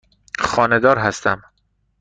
خانه دار هستم.